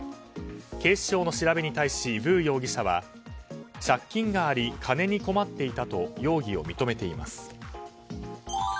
警視庁の調べに対しヴー容疑者は借金があり金に困っていたと容疑を認めています。